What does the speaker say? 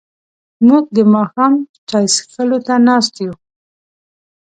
موږ د ماښام چای څښلو ته ناست یو.